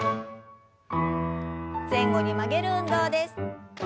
前後に曲げる運動です。